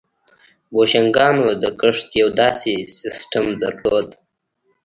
بوشنګانو د کښت یو داسې سیستم درلود.